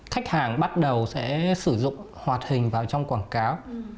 khách hàng bắt đầu sẽ sử dụng hoạt hình vào trong quảng cáo